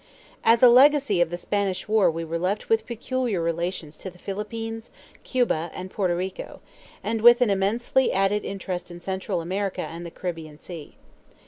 As a legacy of the Spanish War we were left with peculiar relations to the Philippines, Cuba, and Porto Rico, and with an immensely added interest in Central America and the Caribbean Sea.